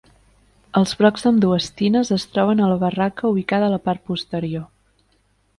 Els brocs d'ambdues tines es troben a la barraca ubicada a la part posterior.